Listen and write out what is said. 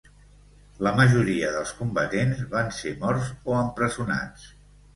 La majoria dels combatents van ser morts o empresonats.